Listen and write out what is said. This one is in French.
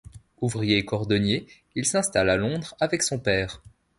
Ouvrier cordonnier, il s'installe à Londres avec son père.